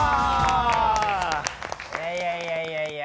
いやいやいやいや。